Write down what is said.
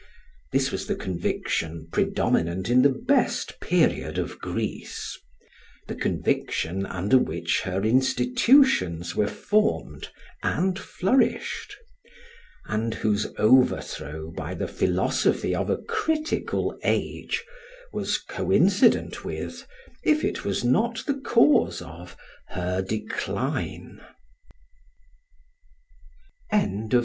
This was the conviction predominant in the best period of Greece; the conviction under which her institutions were formed and flourished, and whose overthrow by the philosophy of a critical age was coincident with, if it was not the cause of, her decline.